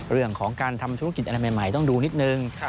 เรื่องของการทำธุรกิจอะไรใหม่ต้องดูนิดนึง